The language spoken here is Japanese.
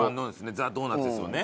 ＴＨＥドーナツですよね。